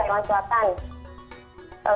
kemudian kalau misalnya orang thailand